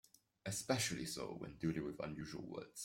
Especially so when dealing with unusual words.